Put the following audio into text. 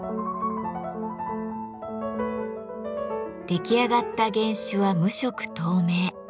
出来上がった原酒は無色透明。